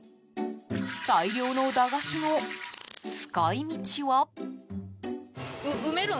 大量の駄菓子の使い道は？